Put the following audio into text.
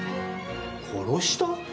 殺した？